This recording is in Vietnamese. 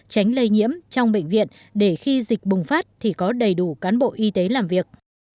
tránh lây nhiễm trong bệnh viện để khi dịch bùng phát thì có đầy đủ cán bộ y tế làm việc